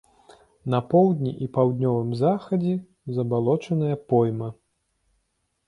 На поўдні і паўднёвым захадзе забалочаная пойма.